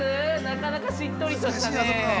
なかなか、しっとりとしたね。